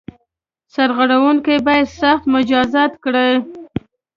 سرغړوونکي باید سخت مجازات کړي.